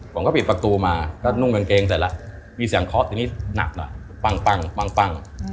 ผมก็ปิดประตูมาก็นุ่งกางเกงเสร็จแล้วมีเสียงเคาะทีนี้หนักหน่อยปั้ง